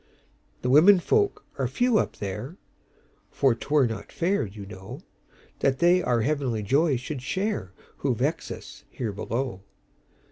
"The women folk are few up there; For 't were not fair, you know, That they our heavenly joy should shareWho vex us here below.